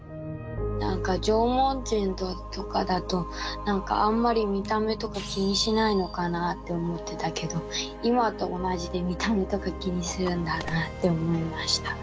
なんか縄文人とかだとなんかあんまり見た目とか気にしないのかなあって思ってたけど今と同じで見た目とか気にするんだなあって思いました。